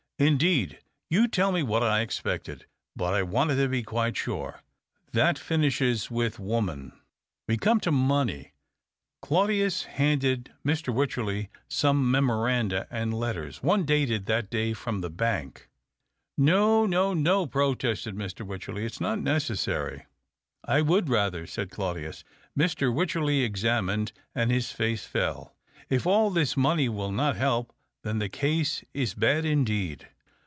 Indeed, you tell me what I expected, but I wanted to be quite sure. That finishes with woman. We come to money." Claudius handed Mr. Wycherley some memo randa and letters — one dated that day from the bank. THE OCTAVE OF CLAUDIUS, 295 " No, no, no !" protested Mr. Wycherley. " It's not necessary." " I would rather," said Claudius. Mr. Wycherley examined, and his face fell. " If all this money will not h.e\^, then the case is bad indeed."